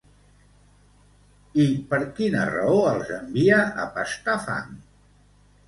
I per quina raó els envia a pastar fang?